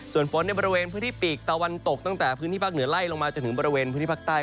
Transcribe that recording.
ส่วนฝนในบริเวณพื้นที่ปีกตะวันตกตั้งแต่พื้นที่ภาคเหนือไล่ลงมาจนถึงบริเวณพื้นที่ภาคใต้